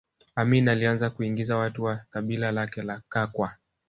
Amin alianza kuingiza watu wa kabila lake la Kakwa